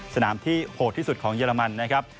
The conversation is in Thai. สนามที่โหดที่สุดของเยอรมันนะครับ